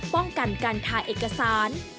ป้องกันการทาเอกสาร